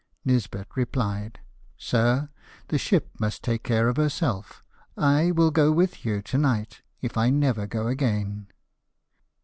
Nisbet rephed :" Sir, the ship must take care of herself; I will go with you to night, if I never go again."